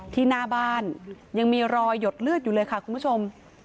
หน้าบ้านยังมีรอยหยดเลือดอยู่เลยค่ะคุณผู้ชม